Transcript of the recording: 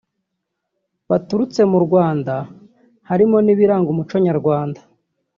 baturutse mu Rwanda harimo n’ibiranga umuco Nyarwanda